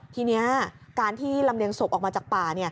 ทีนี้การที่ลำเลียงศพออกมาจากป่า